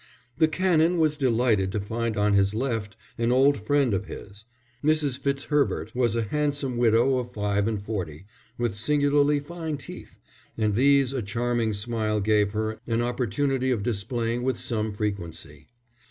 The Canon was delighted to find on his left an old friend of his. Mrs. Fitzherbert was a handsome widow of five and forty, with singularly fine teeth, and these a charming smile gave her an opportunity of displaying with some frequency.